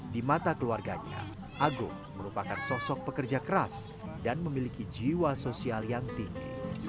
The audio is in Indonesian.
di mata keluarganya agung merupakan sosok pekerja keras dan memiliki jiwa sosial yang tinggi